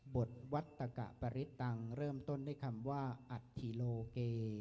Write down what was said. บทวัตตะกะปริตังเริ่มต้นด้วยคำว่าอัฐิโลเก